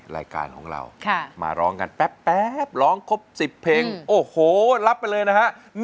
รายการของเรามาร้องกันแป๊บร้องครบ๑๐เพลงโอ้โหรับไปเลยนะฮะ